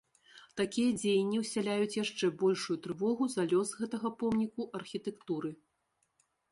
Такія дзеянні ўсяляюць яшчэ большую трывогу за лёс гэтага помніку архітэктуры.